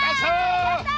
やった！